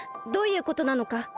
どういうことなのか。